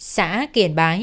xã kiền bái